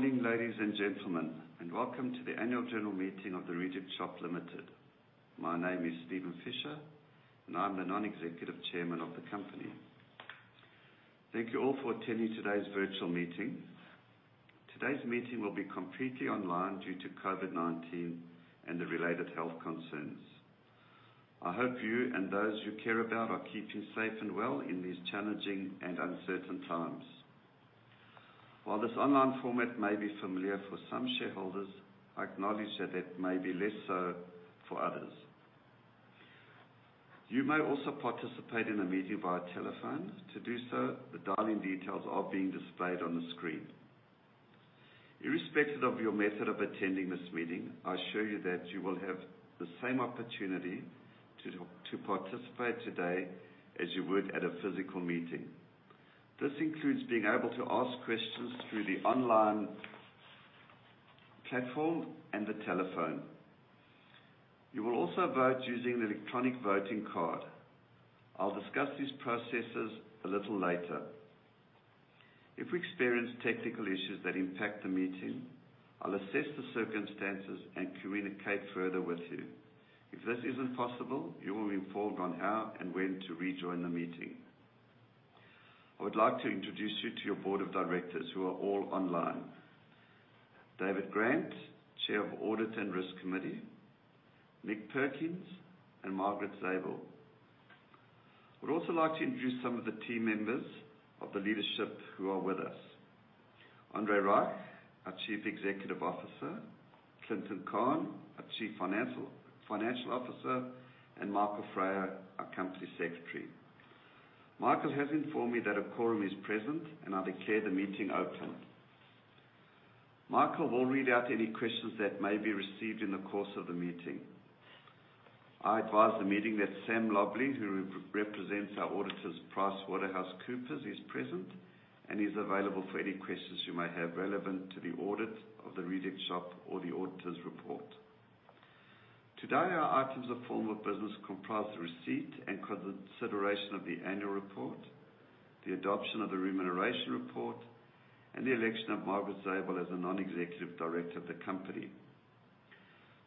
Good morning, ladies and gentlemen, welcome to the annual general meeting of The Reject Shop Limited. My name is Steven Fisher, and I'm the non-executive chairman of the company. Thank you all for attending today's virtual meeting. Today's meeting will be completely online due to COVID-19 and the related health concerns. I hope you and those you care about are keeping safe and well in these challenging and uncertain times. While this online format may be familiar for some shareholders, I acknowledge that it may be less so for others. You may also participate in the meeting via telephone. To do so, the dial-in details are being displayed on the screen. Irrespective of your method of attending this meeting, I assure you that you will have the same opportunity to participate today as you would at a physical meeting. This includes being able to ask questions through the online platform and the telephone. You will also vote using the electronic voting card. I'll discuss these processes a little later. If we experience technical issues that impact the meeting, I'll assess the circumstances and communicate further with you. If this isn't possible, you will be informed on how and when to rejoin the meeting. I would like to introduce you to your board of directors who are all online. David Grant, Chair of Audit and Risk Committee, Nick Perkins and Margaret Zabel. Would also like to introduce some of the team members of the leadership who are with us. Andre Reich, our Chief Executive Officer, Clinton Cahn, our Chief Financial Officer, and Michael Freier, our Company Secretary. Michael has informed me that a quorum is present, and I declare the meeting open. Michael will read out any questions that may be received in the course of the meeting. I advise the meeting that Sam Lobley, who represents our auditors, PricewaterhouseCoopers, is present and is available for any questions you may have relevant to the audit of The Reject Shop or the auditors report. Today, our items of formal business comprise the receipt and consideration of the annual report, the adoption of the remuneration report, and the election of Margaret Zabel as a non-executive director of the company.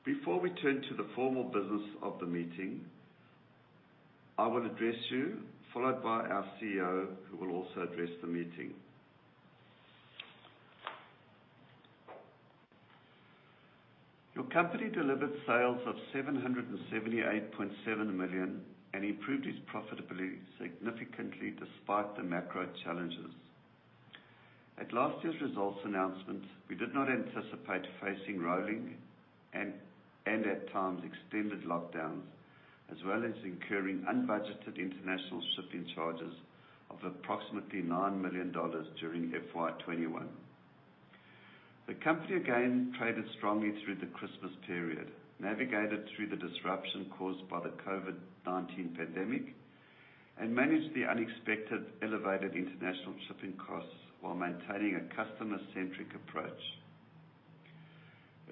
Before we turn to the formal business of the meeting, I will address you followed by our CEO, who will also address the meeting. Your company delivered sales of 778.7 million and improved its profitability significantly despite the macro challenges. At last year's results announcement, we did not anticipate facing rolling and at times, extended lockdowns, as well as incurring unbudgeted international shipping charges of approximately 9 million dollars during FY 2021. The company again traded strongly through the Christmas period, navigated through the disruption caused by the COVID-19 pandemic, and managed the unexpected elevated international shipping costs while maintaining a customer-centric approach.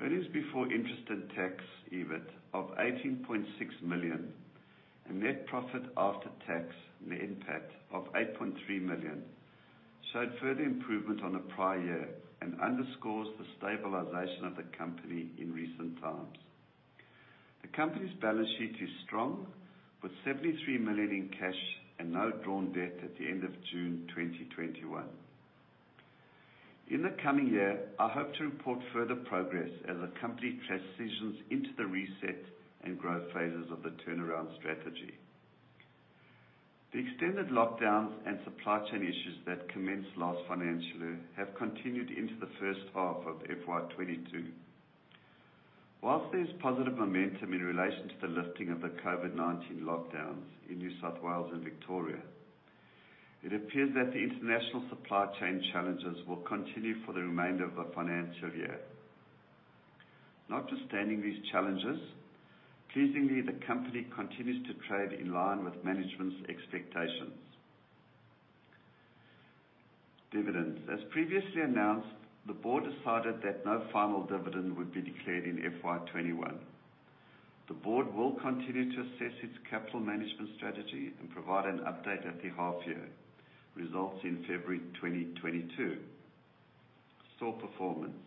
Earnings before interest and tax, EBIT, of 18.6 million and net profit after tax, NPAT, of 8.3 million showed further improvement on the prior year and underscores the stabilization of the company in recent times. The company's balance sheet is strong, with 73 million in cash and no drawn debt at the end of June 2021. In the coming year, I hope to report further progress as the company transitions into the reset and growth phases of the turnaround strategy. The extended lockdowns and supply chain issues that commenced last financial year have continued into the first half of FY 2022. Whilst there is positive momentum in relation to the lifting of the COVID-19 lockdowns in New South Wales and Victoria, it appears that the international supply chain challenges will continue for the remainder of the financial year. Notwithstanding these challenges, pleasingly, the company continues to trade in line with management's expectations. Dividends. As previously announced, the board decided that no final dividend would be declared in FY 2021. The board will continue to assess its capital management strategy and provide an update at the half year results in February 2022. Store performance.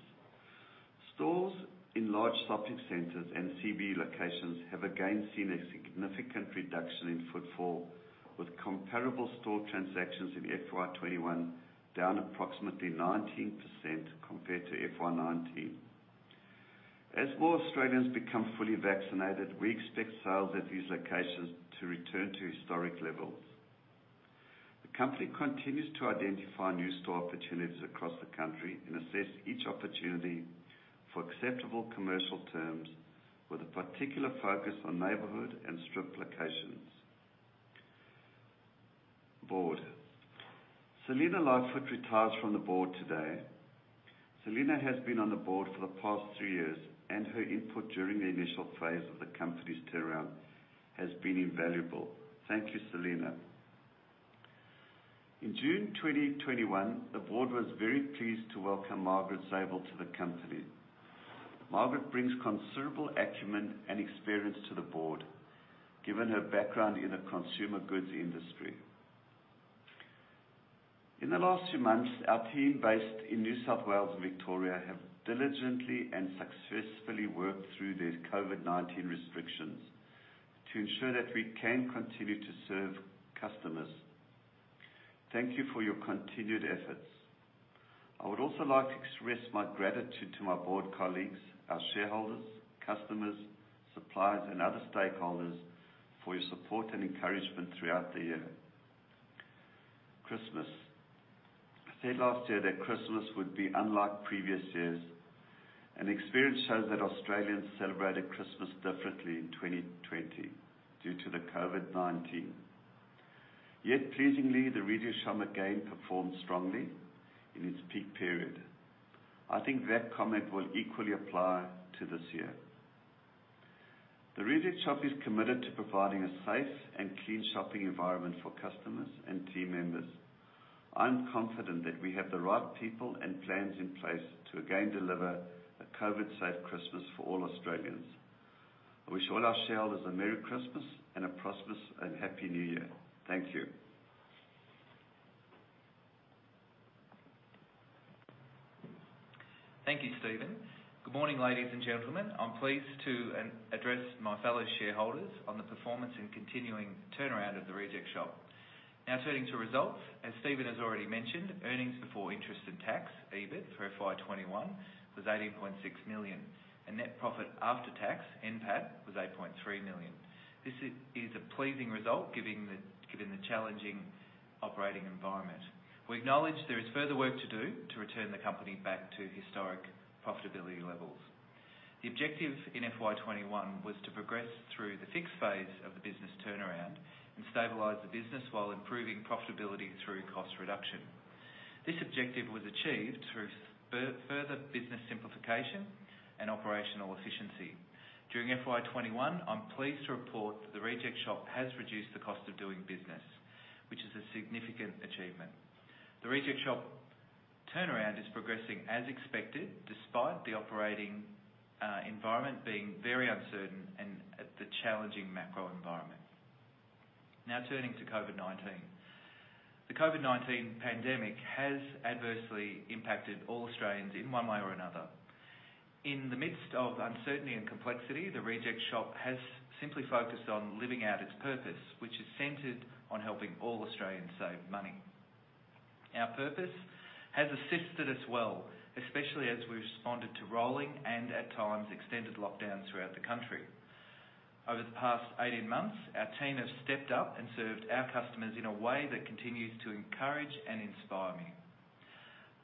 Stores in large shopping centers and CBD locations have again seen a significant reduction in footfall with comparable store transactions in FY 2021 down approximately 19% compared to FY 2019. As more Australians become fully vaccinated, we expect sales at these locations to return to historic levels. The company continues to identify new store opportunities across the country and assess each opportunity for acceptable commercial terms with a particular focus on neighborhood and strip locations. Board. Selina Lightfoot retires from the board today. Selina has been on the board for the past three years, and her input during the initial phase of the company's turnaround has been invaluable. Thank you, Selina. In June 2021, the board was very pleased to welcome Margaret Zabel to the company. Margaret brings considerable acumen and experience to the board, given her background in the consumer goods industry. In the last two months, our team based in New South Wales and Victoria have diligently and successfully worked through the COVID-19 restrictions to ensure that we can continue to serve customers. Thank you for your continued efforts. I would also like to express my gratitude to my board colleagues, our shareholders, customers, suppliers, and other stakeholders for your support and encouragement throughout the year. Christmas. I said last year that Christmas would be unlike previous years, and experience shows that Australians celebrated Christmas differently in 2020 due to the COVID-19. Yet pleasingly, The Reject Shop again performed strongly in its peak period. I think that comment will equally apply to this year. The Reject Shop is committed to providing a safe and clean shopping environment for customers and team members. I'm confident that we have the right people and plans in place to again deliver a COVID-safe Christmas for all Australians. I wish all our shareholders a merry Christmas and a prosperous and happy New Year. Thank you. Thank you, Steven. Good morning, ladies and gentlemen. I'm pleased to address my fellow shareholders on the performance and continuing turnaround of The Reject Shop. Now turning to results. As Steven has already mentioned, earnings before interest and tax, EBIT, for FY21 was 18.6 million, and net profit after tax, NPAT, was 8.3 million. This is a pleasing result given the challenging operating environment. We acknowledge there is further work to do to return the company back to historic profitability levels. The objective in FY21 was to progress through the fixed phase of the business turnaround and stabilize the business while improving profitability through cost reduction. This objective was achieved through further business simplification and operational efficiency. During FY21, I'm pleased to report that The Reject Shop has reduced the cost of doing business, which is a significant achievement. The Reject Shop turnaround is progressing as expected, despite the operating environment being very uncertain and the challenging macro environment. Turning to COVID-19. The COVID-19 pandemic has adversely impacted all Australians in one way or another. In the midst of uncertainty and complexity, The Reject Shop has simply focused on living out its purpose, which is centered on helping all Australians save money. Our purpose has assisted us well, especially as we responded to rolling and, at times, extended lockdowns throughout the country. Over the past 18 months, our team have stepped up and served our customers in a way that continues to encourage and inspire me.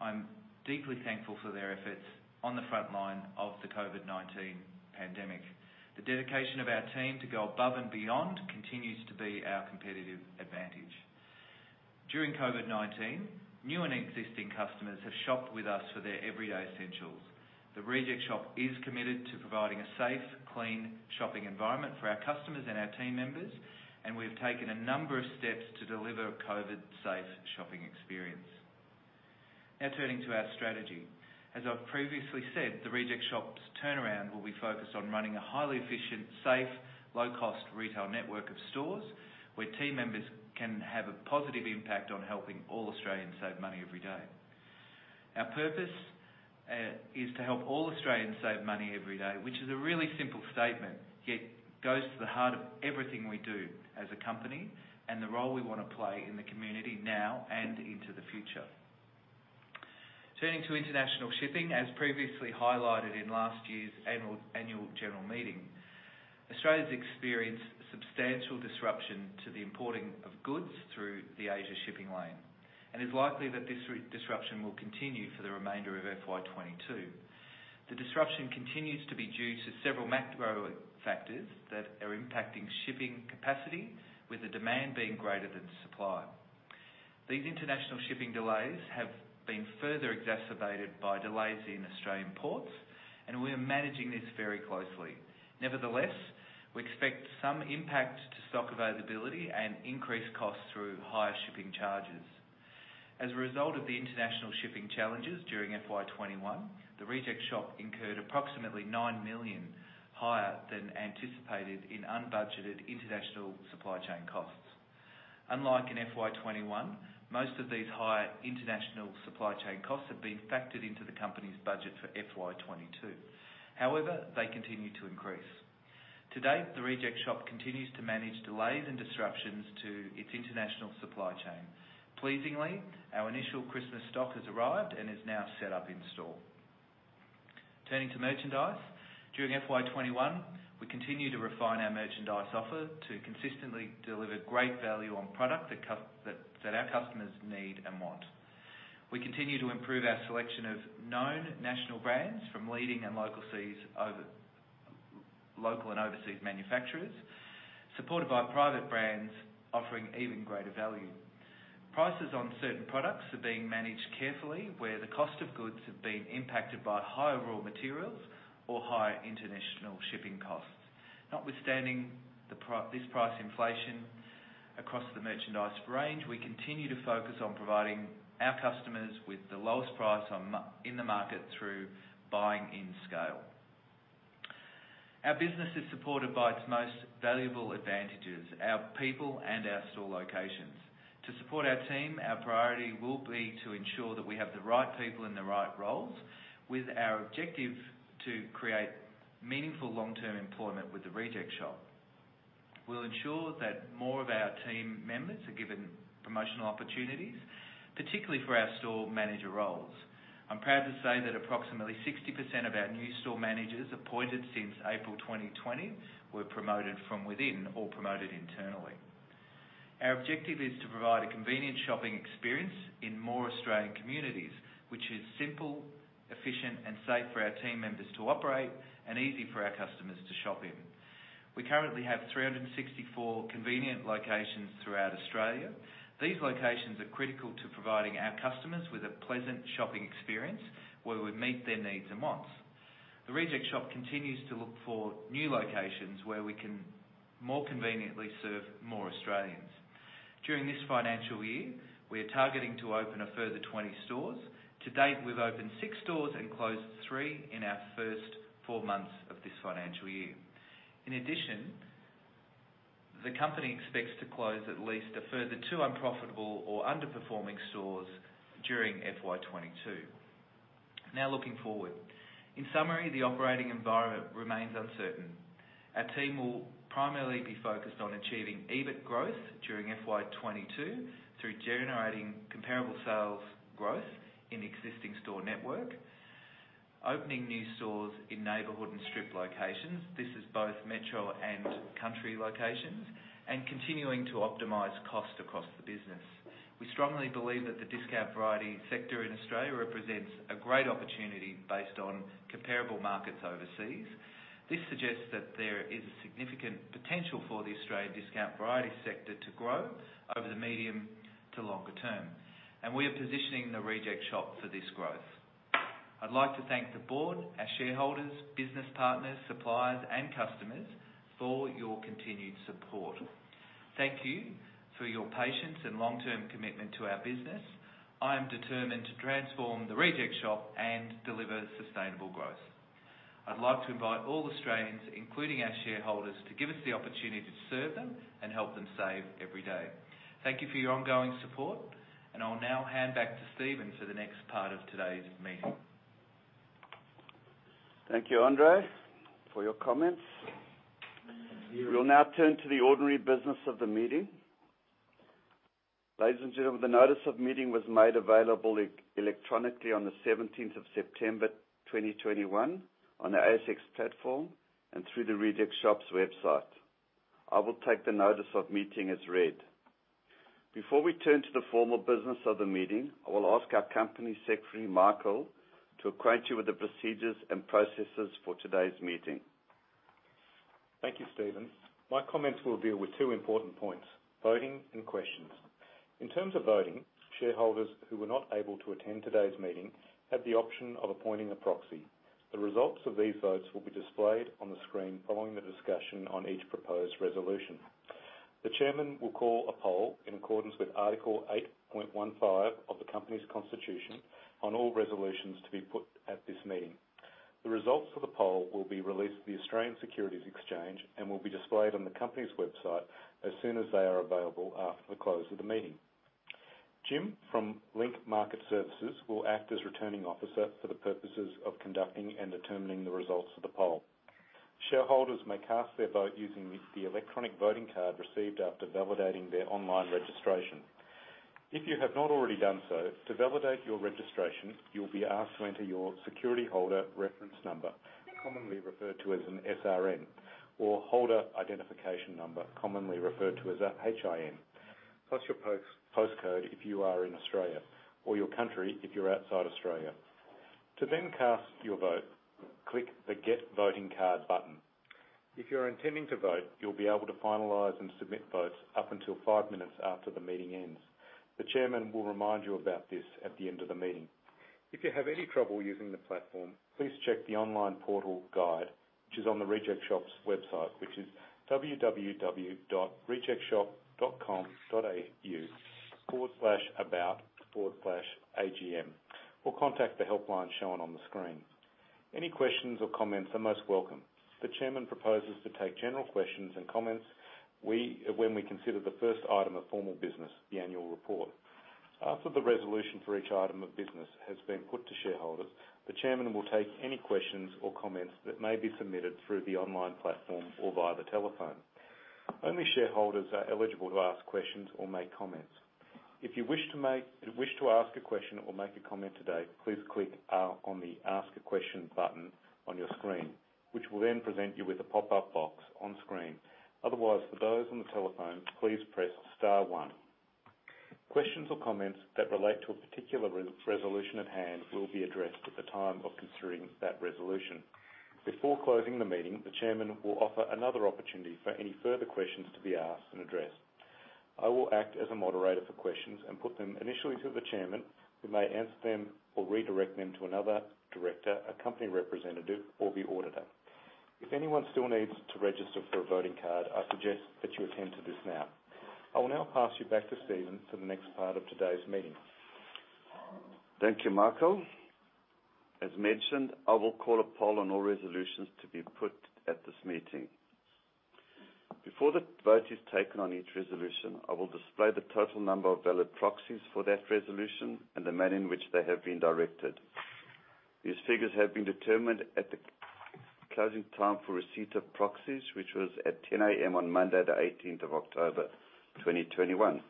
I'm deeply thankful for their efforts on the front line of the COVID-19 pandemic. The dedication of our team to go above and beyond continues to be our competitive advantage. During COVID-19, new and existing customers have shopped with us for their everyday essentials. The Reject Shop is committed to providing a safe, clean shopping environment for our customers and our team members, and we've taken a number of steps to deliver a COVID-safe shopping experience. Now turning to our strategy. As I've previously said, The Reject Shop's turnaround will be focused on running a highly efficient, safe, low-cost retail network of stores where team members can have a positive impact on helping all Australians save money every day. Our purpose is to help all Australians save money every day, which is a really simple statement, yet goes to the heart of everything we do as a company and the role we want to play in the community now and into the future. Turning to international shipping, as previously highlighted in last year's annual general meeting, Australia's experienced substantial disruption to the importing of goods through the Asia shipping lane and it's likely that this disruption will continue for the remainder of FY 2022. The disruption continues to be due to several macro factors that are impacting shipping capacity, with the demand being greater than supply. These international shipping delays have been further exacerbated by delays in Australian ports, and we are managing this very closely. Nevertheless, we expect some impact to stock availability and increased costs through higher shipping charges. As a result of the international shipping challenges during FY 2021, The Reject Shop incurred approximately 9 million higher than anticipated in unbudgeted international supply chain costs. Unlike in FY 2021, most of these higher international supply chain costs have been factored into the company's budget for FY 2022. However, they continue to increase. To date, The Reject Shop continues to manage delays and disruptions to its international supply chain. Pleasingly, our initial Christmas stock has arrived and is now set up in store. Turning to merchandise. During FY21, we continued to refine our merchandise offer to consistently deliver great value on product that our customers need and want. We continue to improve our selection of known national brands from leading and local and overseas manufacturers, supported by private brands offering even greater value. Prices on certain products are being managed carefully, where the cost of goods have been impacted by higher raw materials or higher international shipping costs. Notwithstanding this price inflation across the merchandise range, we continue to focus on providing our customers with the lowest price in the market through buying in scale. Our business is supported by its most valuable advantages, our people and our store locations. To support our team, ourr priority will be to ensure that we have the right people in the right roles, with our objective to create meaningful long-term employment with The Reject Shop. We'll ensure that more of our team members are given promotional opportunities, particularly for our store manager roles. I'm proud to say that approximately 60% of our new store managers appointed since April 2020 were promoted from within or promoted internally. Our objective is to provide a convenient shopping experience in more Australian communities, which is simple, efficient, and safe for our team members to operate and easy for our customers to shop in. We currently have 364 convenient locations throughout Australia. These locations are critical to providing our customers with a pleasant shopping experience where we meet their needs and wants. The Reject Shop continues to look for new locations where we can more conveniently serve more Australians. During this financial year, we are targeting to open a further 20 stores. To date, we've opened six stores and closed three in our first four months of this financial year. In addition, the company expects to close at least a further two unprofitable or underperforming stores during FY22. Now looking forward. In summary, the operating environment remains uncertain. Our team will primarily be focused on achieving EBIT growth during FY22 through generating comparable sales growth in the existing store network, opening new stores in neighborhood and strip locations, this is both metro and country locations, and continuing to optimize costs across the business. We strongly believe that the discount variety sector in Australia represents a great opportunity based on comparable markets overseas. This suggests that there is a significant potential for the Australian discount variety sector to grow over the medium to longer term, and we are positioning The Reject Shop for this growth. I'd like to thank the board, our shareholders, business partners, suppliers, and customers for your continued support. Thank you for your patience and long-term commitment to our business. I am determined to transform The Reject Shop and deliver sustainable growth. I'd like to invite all Australians, including our shareholders, to give us the opportunity to serve them and help them save every day. Thank you for your ongoing support, and I'll now hand back to Steven for the next part of today's meeting. Thank you, Andre, for your comments. We will now turn to the ordinary business of the meeting. Ladies and gentlemen, the notice of meeting was made available electronically on the 17th of September 2021 on the ASX platform and through The Reject Shop's website. I will take the notice of meeting as read. Before we turn to the formal business of the meeting, I will ask our Company Secretary, Michael, to acquaint you with the procedures and processes for today's meeting. Thank you, Steven. My comments will deal with two important points, voting and questions. In terms of voting, shareholders who were not able to attend today's meeting had the option of appointing a proxy. The results of these votes will be displayed on the screen following the discussion on each proposed resolution. The chairman will call a poll in accordance with Article 8.15 of the company's constitution on all resolutions to be put at this meeting. The results of the poll will be released to the Australian Securities Exchange and will be displayed on the company's website as soon as they are available after the close of the meeting. Jim from Link Market Services will act as Returning Officer for the purposes of conducting and determining the results of the poll. Shareholders may cast their vote using the electronic voting card received after validating their online registration. If you have not already done so, to validate your registration, you'll be asked to enter your security holder reference number, commonly referred to as an SRN, or holder identification number, commonly referred to as a HIN, plus your postcode if you are in Australia, or your country if you're outside Australia. To then cast your vote, click the Get Voting Card button. If you're intending to vote, you'll be able to finalize and submit votes up until 5 minutes after the meeting ends. The chairman will remind you about this at the end of the meeting. If you have any trouble using the platform, please check the online portal guide, which is on The Reject Shop's website which is www.rejectshop.com.au/about/agm, or contact the helpline shown on the screen. Any questions or comments are most welcome. The Chairman proposes to take general questions and comments when we consider the first item of formal business, the annual report. After the resolution for each item of business has been put to shareholders, the Chairman will take any questions or comments that may be submitted through the online platform or via the telephone. Only shareholders are eligible to ask questions or make comments. If you wish to ask a question or make a comment today, please click on the Ask a Question button on your screen, which will then present you with a pop-up box on screen. Otherwise, for those on the telephone, please press star one. Questions or comments that relate to a particular resolution at hand will be addressed at the time of considering that resolution. Before closing the meeting, the Chairman will offer another opportunity for any further questions to be asked and addressed. I will act as a moderator for questions and put them initially to the Chairman, who may answer them or redirect them to another director, a company representative, or the auditor. If anyone still needs to register for a voting card, I suggest that you attend to this now. I will now pass you back to Steven for the next part of today's meeting. Thank you, Michael. As mentioned, I will call a poll on all resolutions to be put at this meeting. Before the vote is taken on each resolution, I will display the total number of valid proxies for that resolution and the manner in which they have been directed. These figures have been determined at the closing time for receipt of proxies, which was at 10:00 A.M. on Monday the 18th of October 2021.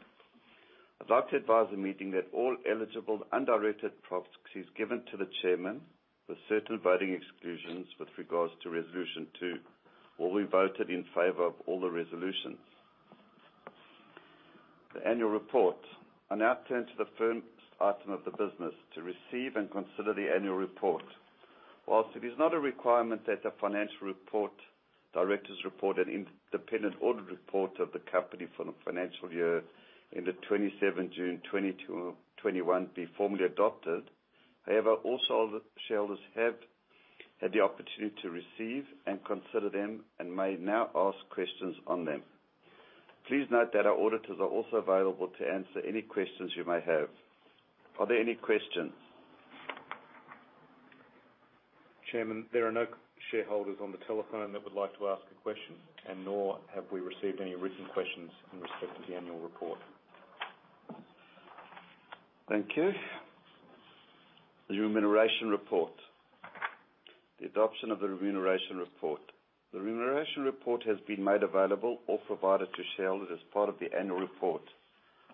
I'd like to advise the meeting that all eligible undirected proxies given to the chairman, with certain voting exclusions with regards to Resolution two, will be voted in favor of all the resolutions. The annual report. I now turn to the first item of the business, to receive and consider the annual report. Whilst it is not a requirement that the financial report, directors' report, and independent audit report of the company for the financial year ended 27 June 2021 be formally adopted. However, all shareholders have had the opportunity to receive and consider them and may now ask questions on them. Please note that our auditors are also available to answer any questions you may have. Are there any questions? Chairman, there are no shareholders on the telephone that would like to ask a question, nor have we received any written questions in respect of the annual report. Thank you. The remuneration report. The adoption of the remuneration report. The remuneration report has been made available or provided to shareholders as part of the annual report.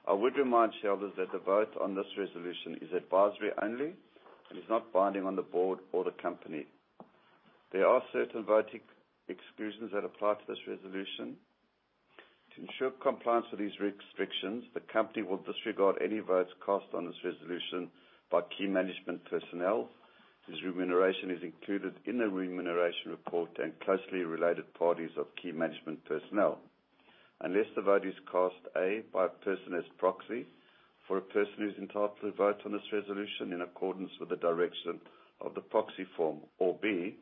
I would remind shareholders that the vote on this resolution is advisory only and is not binding on the board or the company. There are certain voting exclusions that apply to this resolution. To ensure compliance with these restrictions, the company will disregard any votes cast on this resolution by key management personnel, whose remuneration is included in the remuneration report, and closely related parties of key management personnel. Unless the vote is cast, A, by a person as proxy for a person who's entitled to vote on this resolution in accordance with the direction of the proxy form, or B,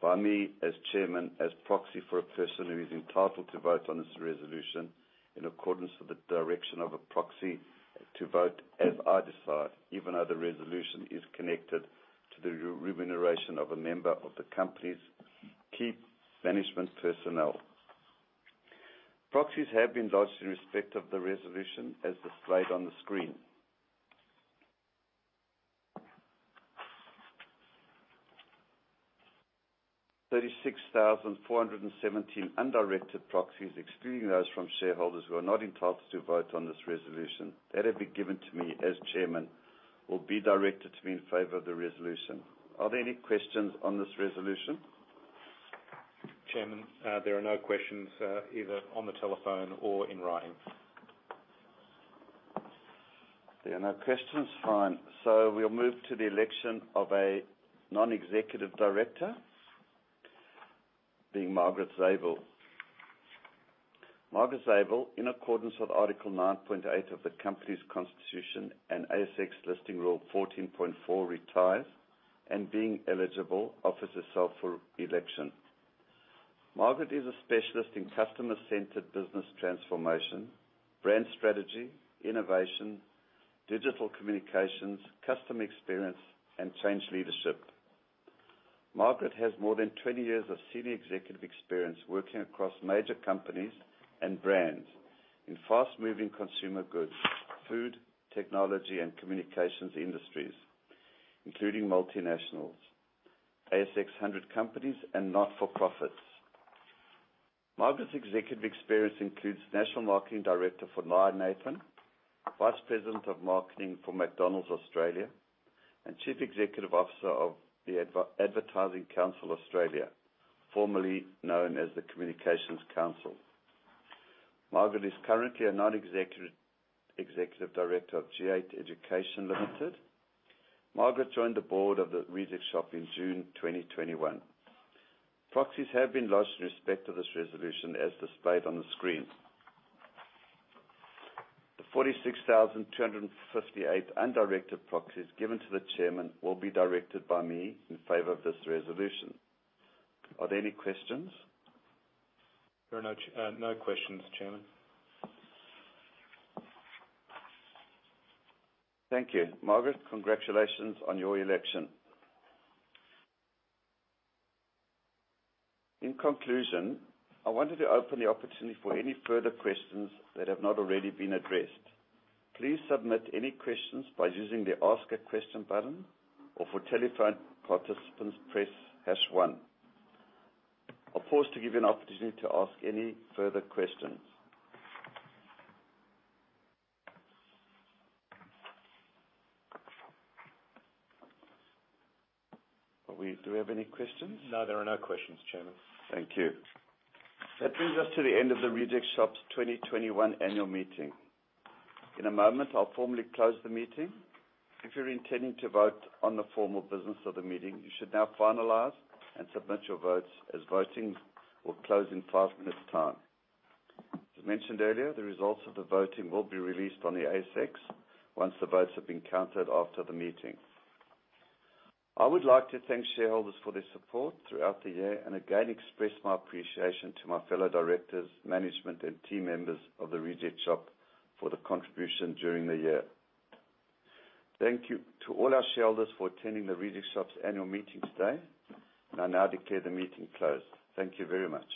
by me as chairman, as proxy for a person who is entitled to vote on this resolution in accordance with the direction of a proxy to vote as I decide, even though the resolution is connected to the remuneration of a member of the company's key management personnel. Proxies have been lodged in respect of the resolution as displayed on the screen. 36,417 undirected proxies, excluding those from shareholders who are not entitled to vote on this resolution, that have been given to me as chairman, will be directed to be in favor of the resolution. Are there any questions on this resolution? Chairman, there are no questions, either on the telephone or in writing. There are no questions? Fine. We'll move to the election of a non-executive director, being Margaret Zabel. Margaret Zabel, in accordance with Article 9.8 of the company's constitution and ASX listing rule 14.4, retires, and being eligible, offers herself for election. Margaret is a specialist in customer-centered business transformation, brand strategy, innovation, digital communications, customer experience, and change leadership. Margaret has more than 20 years of senior executive experience working across major companies and brands in fast-moving consumer goods, food, technology, and communications industries, including multinationals, ASX 100 companies, and not-for-profits. Margaret's executive experience includes National Marketing Director for Lion Nathan, Vice President of Marketing for McDonald's Australia, and Chief Executive Officer of the Advertising Council Australia, formerly known as The Communications Council. Margaret is currently a Non-Executive Director of G8 Education Limited. Margaret joined the board of The Reject Shop in June 2021. Proxies have been lodged in respect of this resolution as displayed on the screen. The 46,258 undirected proxies given to the chairman will be directed by me in favor of this resolution. Are there any questions? There are no questions, Chairman. Thank you. Margaret, congratulations on your election. In conclusion, I wanted to open the opportunity for any further questions that have not already been addressed. Please submit any questions by using the Ask a Question button, or for telephone participants, press hash one. I'll pause to give you an opportunity to ask any further questions. Do we have any questions? No, there are no questions, Chairman. Thank you. That brings us to the end of The Reject Shop's 2021 annual meeting. In a moment, I'll formally close the meeting. If you're intending to vote on the formal business of the meeting, you should now finalize and submit your votes as voting will close in five-minutes time. As mentioned earlier, the results of the voting will be released on the ASX once the votes have been counted after the meeting. I would like to thank shareholders for their support throughout the year, and again express my appreciation to my fellow directors, management, and team members of The Reject Shop for the contribution during the year. Thank you to all our shareholders for attending The Reject Shop's annual meeting today. I now declare the meeting closed. Thank you very much.